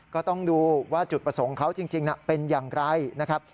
ก็ต้องดูว่าจุดประสงค์เขาจริงเป็นอย่างไรนะครับ